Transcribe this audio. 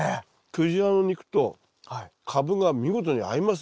クジラの肉とカブが見事に合いますね。